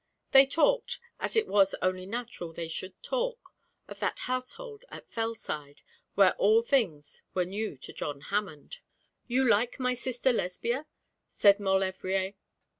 They talked, as it was only natural they should talk, of that household at Fellside, where all things were new to John Hammond. 'You like my sister Lesbia?' said Maulevrier.